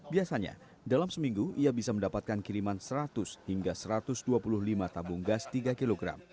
biasanya dalam seminggu ia bisa mendapatkan kiriman seratus hingga satu ratus dua puluh lima tabung gas tiga kg